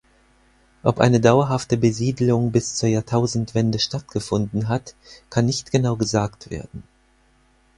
Ob eine dauerhafte Besiedelung bis zur Jahrtausendwende stattgefunden hat, kann nicht genau gesagt werden.